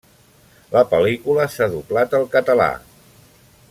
La pel·lícula s'ha doblat al català.